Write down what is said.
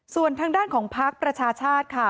ส่วนทางด้านของพักประชาชาติค่ะ